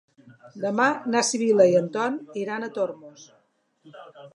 Demà na Sibil·la i en Ton iran a Tormos.